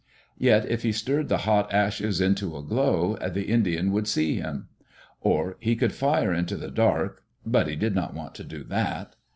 Yet if he stirred the hot ashes into a glow, the Indian would see him. Or, he could fire into the dark; but he did not want to do that.